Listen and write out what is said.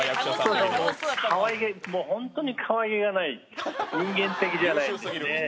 そうそう、ほんとにかわいげがない、人間的じゃないですね。